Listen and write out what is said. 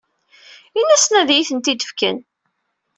Ini-asen ad iyi-tent-id-fken.